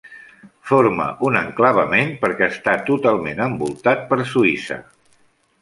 Forma un enclavament perquè està totalment envoltat per Suïssa.